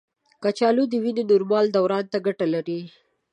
کچالو د وینې نورمال دوران ته ګټه لري.